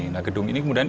nah gedung ini kemudian